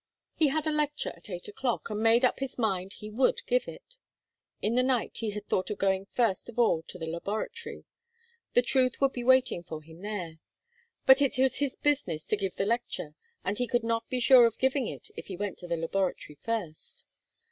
He had a lecture at eight o'clock, and he made up his mind he would give it. In the night he had thought of going first of all to the laboratory. The truth would be waiting for him there. But it was his business to give the lecture and he could not be sure of giving it if he went to the laboratory first.